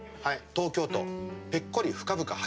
東京都、ぺっこり深々